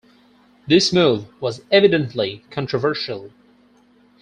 This move was evidently controversial.